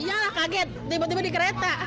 iya lah kaget tiba tiba di kereta